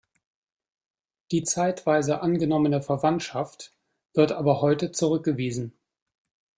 Die zeitweise angenommene Verwandtschaft wird aber heute zurückgewiesen.